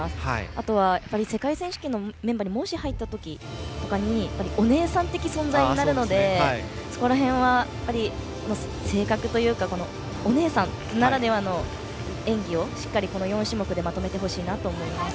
あとは、世界選手権のメンバーにもし入った時はお姉さん的存在になるのでそこら辺は性格というかお姉さんならではの演技をしっかり４種目でまとめてほしいなと思います。